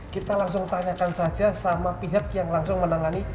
kita langsung tanyakan saja sama pihak yang langsung menangani